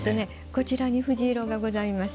こちらに藤色がございます。